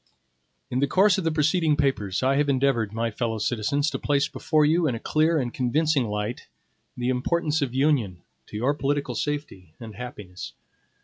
IN THE course of the preceding papers, I have endeavored, my fellow citizens, to place before you, in a clear and convincing light, the importance of Union to your political safety and happiness.